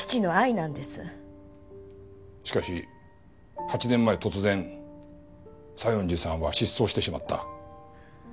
しかし８年前突然西園寺さんは失踪してしまった。